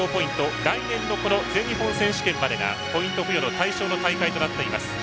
来年の全日本選手権までがポイント付与の対象の大会となっています。